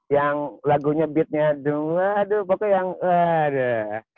yang lagunya beatnya dulu aduh pokoknya yang aduh